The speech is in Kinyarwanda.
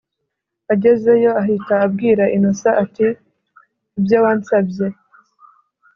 agezeyo ahita abwira innocent ati”ibyo wansabye